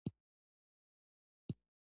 پامیر د افغانستان د ملي هویت نښه ده.